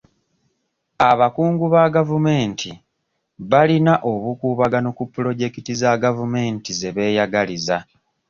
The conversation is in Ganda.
Abakungu ba gavumenti balina obukuubagano ku puloojekiti za gavumenti ze beeyagaliza.